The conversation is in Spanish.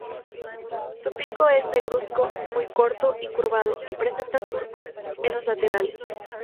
Su pico es negruzco, muy corto y curvado, y presenta surcos en los laterales.